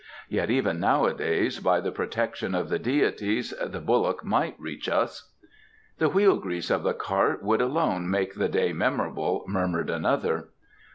Yet even nowadays, by the protection of the deities, the bullock might reach us." "The wheel grease of the cart would alone make the day memorable," murmured another.